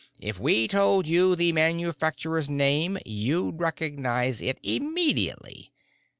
"If we told you the manufacturer's name, you'd recognize it immediately.